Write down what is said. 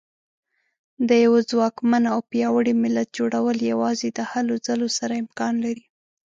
د یوه ځواکمن او پیاوړي ملت جوړول یوازې د هلو ځلو سره امکان لري.